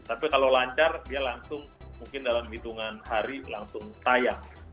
tapi kalau lancar dia langsung mungkin dalam hitungan hari langsung tayang